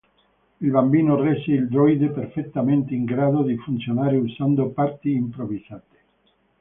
Il bambino rese il droide perfettamente in grado di funzionare usando parti improvvisate.